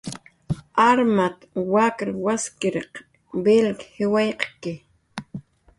Armat wakr waskiriq vil jiwaqki